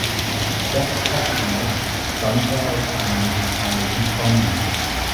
Jack Cathcart stammte aus einer musikalischen Familie.